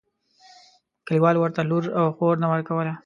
کلیوالو ورته لور او خور نه ورکوله.